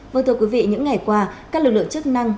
vâng thưa quý vị những ngày qua các lực lượng chức năng